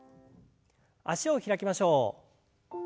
脚を開きましょう。